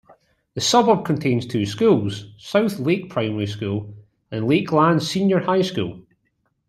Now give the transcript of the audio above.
The suburb contains two schools: South Lake Primary School and Lakeland Senior High School.